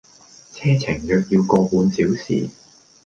車程約要個半小時